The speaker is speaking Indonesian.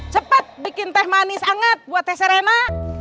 cepet bikin teh manis anget buat tesarena